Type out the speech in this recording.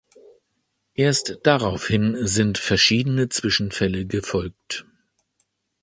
Erst daraufhin sind verschiedene Zwischenfälle gefolgt.